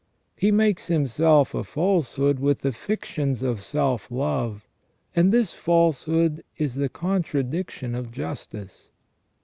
He makes himself a falsehood with the fictions of self love, and this falsehood is the contradiction of justice.